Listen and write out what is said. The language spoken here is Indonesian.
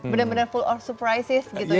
benar benar full our surprises gitu ya